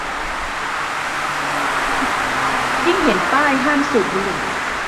ยิ่งเห็นป้ายห้ามสูบบุหรี่